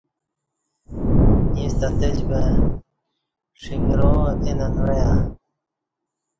ییݩستہ اتجبں ݜݣرا اے ننوعݩہ